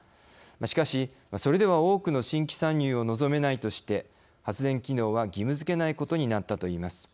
しかし、それでは多くの新規参入を望めないとして発電機能は義務づけないことになったといいます。